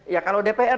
ya kalau dpr